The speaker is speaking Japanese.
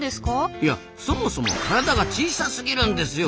いやそもそも体が小さすぎるんですよ！